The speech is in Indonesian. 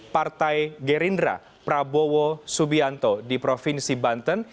partai gerindra prabowo subianto di provinsi banten